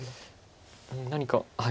何か。